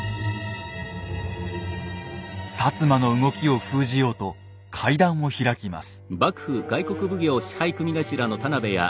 摩の動きを封じようと会談を開きます。